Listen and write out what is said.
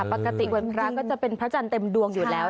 ปกติวันพระก็จะเป็นพระจันทร์เต็มดวงอยู่แล้ว